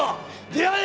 出会え！